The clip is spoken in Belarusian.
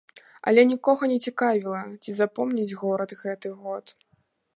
Але нікога не цікавіла, ці запомніць горад гэты год.